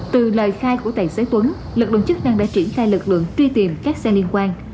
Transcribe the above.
từ lời khai của tài xế tuấn lực lượng chức năng đã triển khai lực lượng truy tìm các xe liên quan